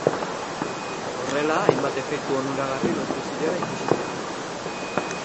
Horrela, hainbat efektu onuragarri lortu zirela ikusi zen.